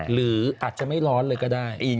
หรืออาจจะไม่ร้อนเลยก็ได้